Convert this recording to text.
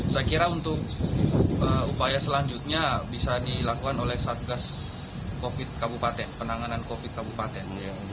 saya kira untuk upaya selanjutnya bisa dilakukan oleh satgas penanganan covid sembilan belas kabupaten